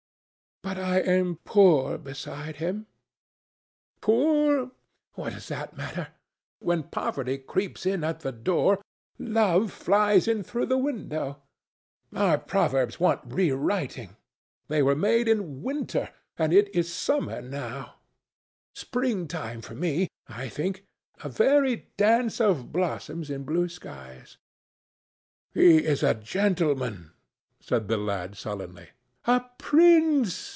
But I am poor beside him. Poor? What does that matter? When poverty creeps in at the door, love flies in through the window. Our proverbs want rewriting. They were made in winter, and it is summer now; spring time for me, I think, a very dance of blossoms in blue skies." "He is a gentleman," said the lad sullenly. "A prince!"